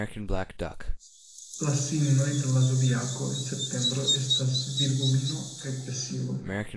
La signoj de la Zodiako en septembro estas Virgulino kaj Pesilo.